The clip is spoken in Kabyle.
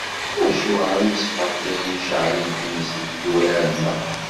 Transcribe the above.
Acuɣer imsbaṭliyen ceεlen times deg yidurar-nneɣ!